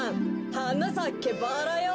「はなさけバラよ」